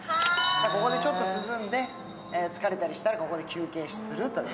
ここにちょっと涼んで、疲れたりしたらここで休憩すると。